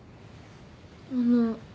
あの。